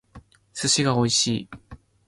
寿司が美味しい